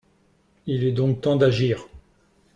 Il est donc temps d’agir